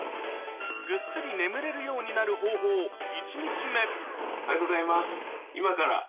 ぐっすり眠れるようになる方法おはようございます。